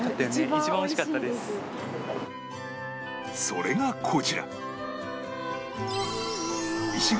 それがこちら